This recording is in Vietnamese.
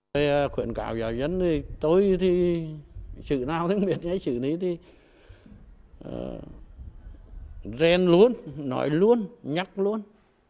cỏi quyền cảo giáo dân thì tôi thì sử nào tiếng việt hay sử này thì rèn luôn nói luôn nhắc luôn